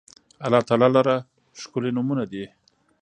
الله تعالی لره ښکلي نومونه دي